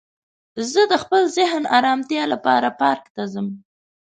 زه د خپل ذهن ارامتیا لپاره پارک ته ځم